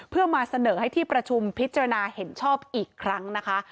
เพื่อมาเสนอให้ที่ประชุมพิจารณาเห็นชอบอีกครั้งนะคะ